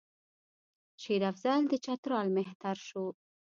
شېر افضل د چترال مهتر شو.